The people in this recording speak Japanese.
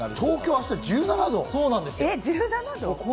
東京は明日、１７度！